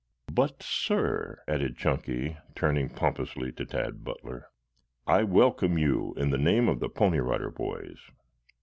But, sir," added Chunky, turning pompously to Tad Butler, "I welcome you in the name of the Pony Rider Boys.